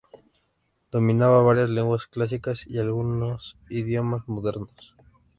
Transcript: Dominaba varias lenguas clásicas y algunos idiomas modernos.